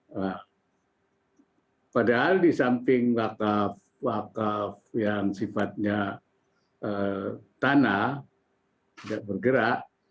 nah padahal di samping wakaf wakaf yang sifatnya tanah tidak bergerak